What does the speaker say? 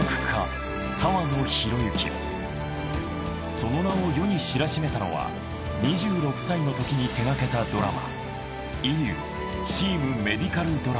その名を世に知らしめたのは２６歳のときに手がけたドラマ。